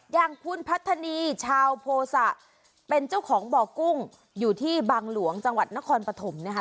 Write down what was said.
อย่างคุณพัฒนีชาวโพสะเป็นเจ้าของบ่อกุ้งอยู่ที่บางหลวงจังหวัดนครปฐมนะคะ